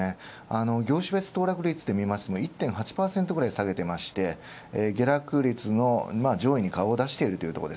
業種別騰落率で見てみますと１．８％くらい下げていまして、下落率の上位に顔をだしているということ。